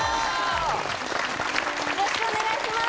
よろしくお願いします